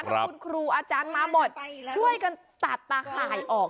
ถ้าคุณครูอาจารย์มาหมดช่วยกันตัดตาข่ายออก